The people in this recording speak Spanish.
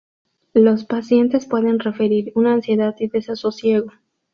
Los pacientes pueden referir una ansiedad y desasosiego.